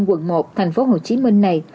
quận một tp hcm này